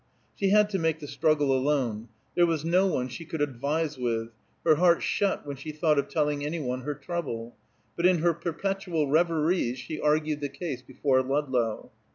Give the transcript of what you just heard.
She had to make the struggle alone; there was no one she could advise with; her heart shut when she thought of telling any one her trouble; but in her perpetual reveries she argued the case before Ludlow.